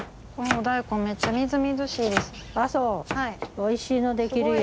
おいしいの出来るよ。